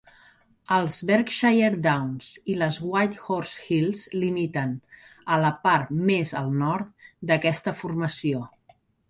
Els Berkshire Downs i les White Horse Hills limiten a la part més al nord d'aquesta formació.